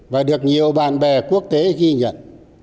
và được nhiều bạn bè quốc tế ghi nhận